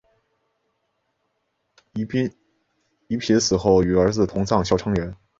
宜嫔死后与儿子同葬孝昌园。